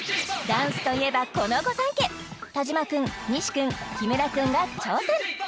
ダンスといえばこの御三家田島君西君木村君が挑戦